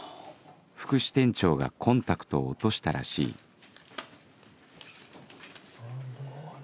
副支店長がコンタクトを落としたらしいあれ？